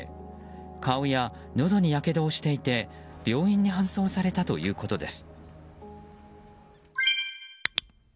顔やのどに、やけどをしていて病院に搬送されたということです。